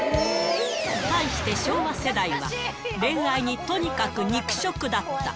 対して昭和世代は、恋愛にとにかく肉食だった。